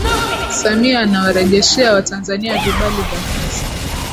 Samia anawarejeshea Watanzania vibali vya kazi